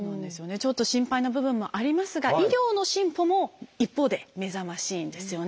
ちょっと心配な部分もありますが医療の進歩も一方で目覚ましいんですよね。